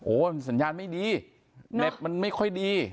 โอ้โฮสัญญาณไม่ดีเน็ตมันไม่ค่อยดี